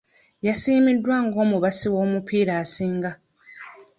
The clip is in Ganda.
Yasiimiddwa ng'omubasi w'omupiira asinga .